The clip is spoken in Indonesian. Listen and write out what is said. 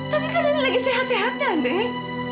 tapi kan nenek lagi sehat sehat andai